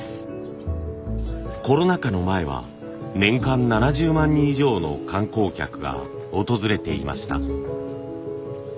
コロナ禍の前は年間７０万人以上の観光客が訪れていました。